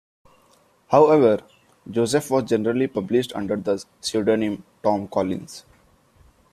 However, Joseph was generally published under the pseudonym "Tom Collins".